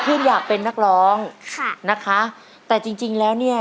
โคคิดอยากเป็นนักร้องนะคะแต่จริงแล้วเนี่ย